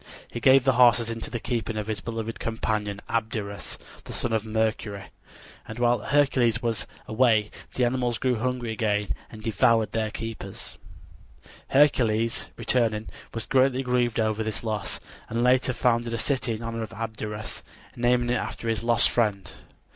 He gave the horses into the keeping of his beloved companion Abderus, the son of Mercury, and while Hercules was away the animals grew hungry again and devoured their keeper. Hercules, returning, was greatly grieved over this loss, and later founded a city in honor of Abderus, naming it after his lost friend.